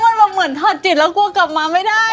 แล้วมันเหมือนถอดจิตแล้วกลัวกลัวกลัวมาไม่ได้อะ